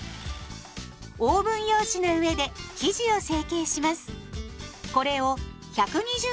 オーブン用紙の上で生地を成形します。